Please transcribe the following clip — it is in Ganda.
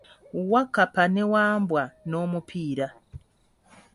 Wakkapa ne Wambwa n'omupiira.